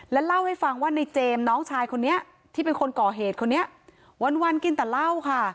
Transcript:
และเล่าให้ฟังว่าในเจมส์น้องชายคนนี้ที่เป็นคนก่อเหตุคนนี้วันกินแต่เหล้าค่ะ